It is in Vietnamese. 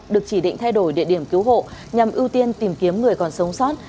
được chỉ định thay đổi địa điểm cứu hộ nhằm ưu tiên tìm kiếm người còn sống sót